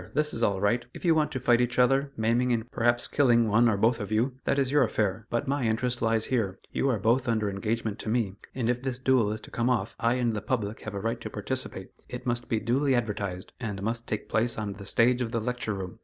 This is all right; if you want to fight each other, maiming and perhaps killing one or both of you, that is your affair; but my interest lies here you are both under engagement to me, and if this duel is to come off, I and the public have a right to participate. It must be duly advertised, and must take place on the stage of the Lecture Room.